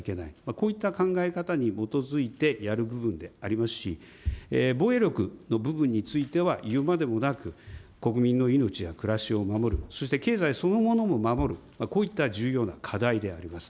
こういった考え方に基づいてやる部分でありますし、防衛力の部分については、いうまでもなく、国民の命や暮らしを守る、そして経済そのものを守る、こういった重要な課題であります。